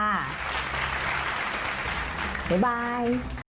บ๊ายบาย